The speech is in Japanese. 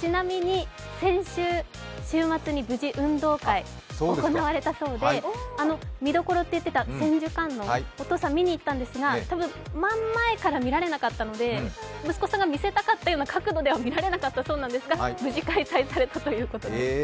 ちなみに先週、週末に無事運動会、行われたそうで見どころといってた千手観音お父さん見に行ったんですがたぶん、まん前から見られなかったので、息子さんが見せたかったような角度では見られなかったそうですが無事開催されたということです。